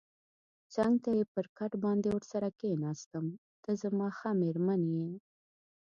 څنګ ته یې پر کټ باندې ورسره کېناستم، ته زما ښه مېرمن یې.